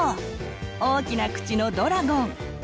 大きな口のドラゴン。